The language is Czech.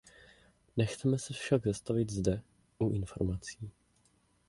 Nechceme se však zastavit zde, u informací.